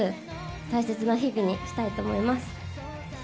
大切な日々にしたいと思います。